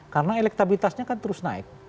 karena elektabilitasnya kan terus naik